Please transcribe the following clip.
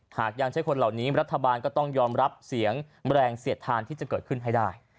หากยังใช้คนเหล่านี้รัฐบาลก็ต้องยอมรับเสียงแรงเสียดทานที่จะเกิดขึ้นให้ได้